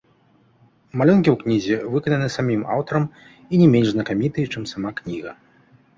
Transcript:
Малюнкі ў кнізе выкананы самім аўтарам і не менш знакамітыя, чым сама кніга.